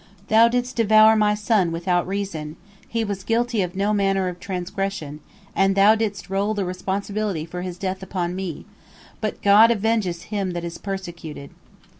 Thou didst devour my son without reason, he was guilty of no manner of transgression, and thou didst roll the responsibility for his death upon me. But God avengeth him that is persecuted."